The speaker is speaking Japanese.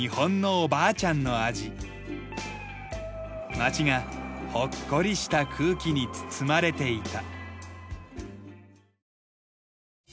町がほっこりした空気に包まれていた。